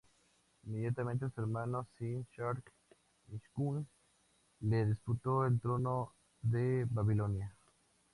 Inmediatamente, su hermano Sin-shar-ishkun le disputó el trono de Babilonia.